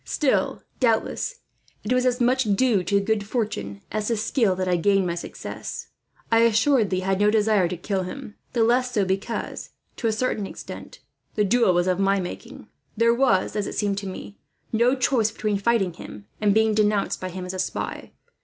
Still, doubtless, it was as much due to good fortune as to skill that I gained my success. "I assuredly had no desire to kill him; the less so because, to a certain extent, the duel was of my making. There was, as it seemed to me, no choice between fighting him, and being denounced by him as a spy.